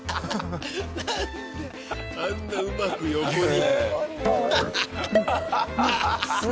なんであんなうまく横に。